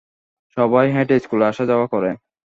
সবাই হেঁটে স্কুলে আসা-যাওয়া করে।